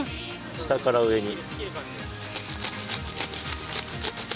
下から上に。